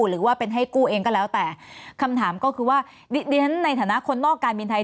หรือว่าเป็นให้กู้เองก็แล้วแต่คำถามก็คือว่าดิฉันในฐานะคนนอกการบินไทย